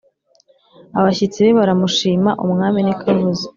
abashyitsi be baramushima Umwami ni ko avuze